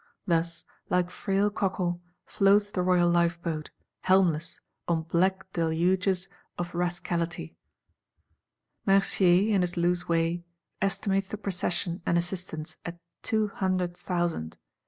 Thus, like frail cockle, floats the Royal Life boat, helmless, on black deluges of Rascality. Mercier, in his loose way, estimates the Procession and assistants at two hundred thousand.